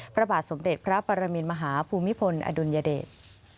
พระบาทสมเด็จพระปรมินมหาภูมิพลอดุลยเดช